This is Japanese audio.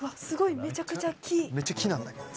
めちゃ木なんだけど。